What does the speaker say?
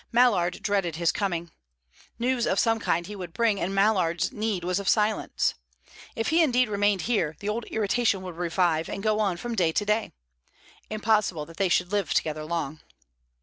Mallard dreaded his coming. News of some kind he would bring, and Mallard's need was of silence. If he indeed remained here, the old irritation would revive and go on from day to day. Impossible that they should live together long.